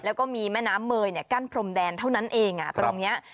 แล้วก็มีแม่น้ำเมยกั้นพรมแดนเท่านั้นเองตรงนี้